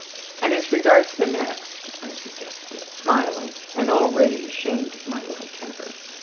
"And as regards the next?" I suggested, smiling, and already ashamed of my little temper.